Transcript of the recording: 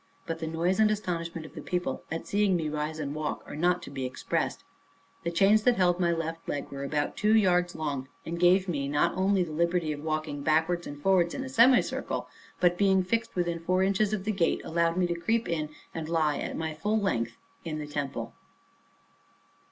But the noise and astonishment of the people, at seeing me rise and walk, are not to be expressed. The chains that held my left leg were about two yards long, and gave me not only the liberty of walking backwards and forwards in a semicircle, but, being fixed within four inches of the gate, allowed me to creep in, and lie at my full length in the temple.